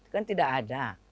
kan tidak ada